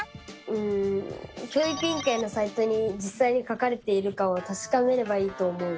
うん教育委員会のサイトにじっさいに書かれているかをたしかめればいいと思う！